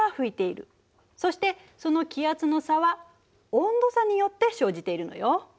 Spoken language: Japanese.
そしてその気圧の差は温度差によって生じているのよ。